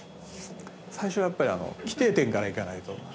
最初はやっぱり規定点からいかないと。